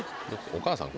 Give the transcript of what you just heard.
お母さん？